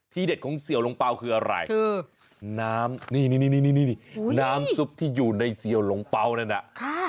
ที่เด็ดของเซียวโรงเป้าคืออะไรน้ำซุปที่อยู่ในเซียวโรงเป้านั่นนะค่ะ